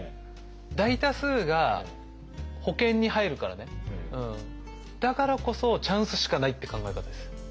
大多数が保険に入るからねだからこそチャンスしかないって考え方です。